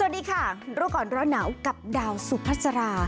สวัสดีค่ะรู้ก่อนร้อนหนาวกับดาวสุพัสรา